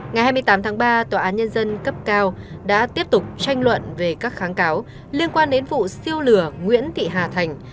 ngày hai mươi tám tháng ba tòa án nhân dân cấp cao đã tiếp tục tranh luận về các kháng cáo liên quan đến vụ siêu lừa nguyễn thị hà thành